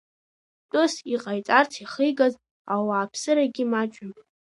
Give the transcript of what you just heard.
Тәыс иҟаиҵарц иахигаз ауааԥсырагьы маҷҩым.